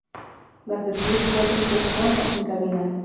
Las "slug" pueden ser con o sin cabina.